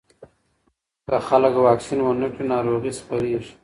که خلک واکسین ونه کړي، ناروغي خپرېږي.